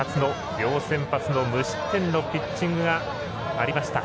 両先発無失点のピッチングがありました。